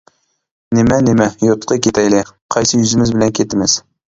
-نېمە، نېمە، يۇرتقا كېتەيلى، قايسىز يۈزىمىز بىلەن كېتىمىز.